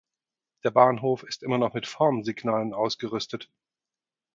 Der Bahnhof ist immer noch mit Formsignalen ausgerüstet.